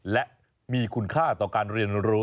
และมีคุณค่าต่อการเรียนรู้